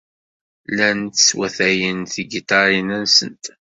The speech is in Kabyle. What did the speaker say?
Llant swatayent tigiṭarin-nsent.